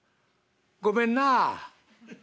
ごめんなあ。